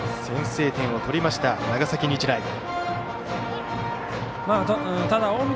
先制点を取りました長崎日大。